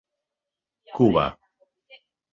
Cuba.